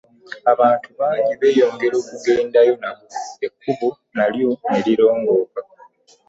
Abantu bangi beeyongera okugendayo nabo, ekkubo nalyo ne lirongooka.